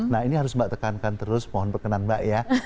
nah ini harus mbak tekankan terus mohon perkenan mbak ya